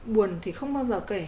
buồn thì không bao giờ kể